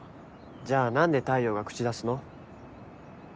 じゃあ何で太陽が口出すの？